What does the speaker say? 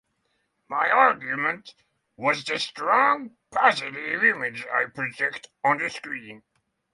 My argument was the strong, positive image I project on the screen.